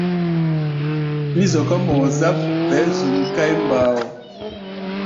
Mí zɔká mɔɔ-záp, ɓɛɛ́ zuʼm káí mbao.